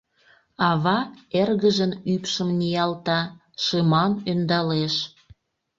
Ава эргыжын ӱпшым ниялта, шыман ӧндалеш.